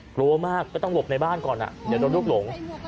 กลัวมากก็ต้องหลบในบ้านก่อนเดี๋ยวโดนลูกหลง